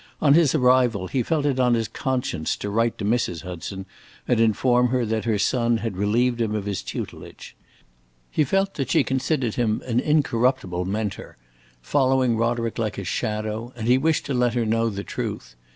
On his arrival, he felt it on his conscience to write to Mrs. Hudson and inform her that her son had relieved him of his tutelage. He felt that she considered him an incorruptible Mentor, following Roderick like a shadow, and he wished to let her know the truth.